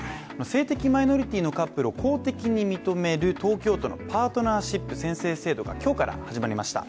性的マイノリティーのカップルを公的に認める東京都のパートナーシップ宣誓制度が今日から始まりました。